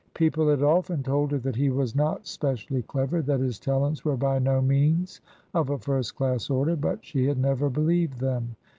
People had often told her that he was not specially clever, that his talents were by no means of a first class order; but she had never believed them.